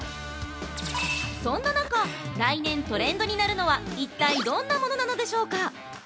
◆そんな中、来年トレンドになるのは一体どんなものなのでしょうか？